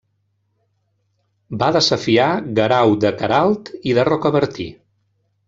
Va desafiar Guerau de Queralt i de Rocabertí.